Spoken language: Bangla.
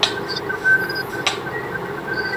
আমি এসবের কদর করি, তোমাকে ধন্যবাদ।